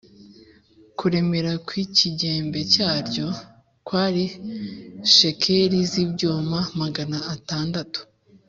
kuremera kw’ikigembe cyaryo kwari shekeli z’ibyuma magana atandatu